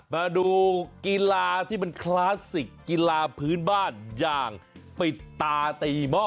มาดูกีฬาที่มันคลาสสิกกีฬาพื้นบ้านอย่างปิดตาตีหม้อ